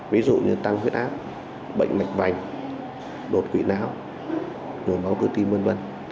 ví dụ như tăng huyết ác bệnh mạch vành đột quỷ não nhồi máu cơ tim v v